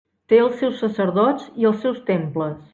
Té els seus sacerdots i els seus temples.